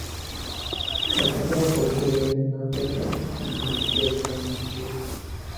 La compra por TfL no afecta el funcionamiento del tranvía.